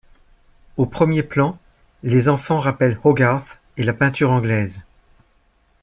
Au premier plan, les enfants rappellent Hogarth et la peinture anglaise.